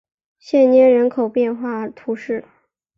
谢涅人口变化图示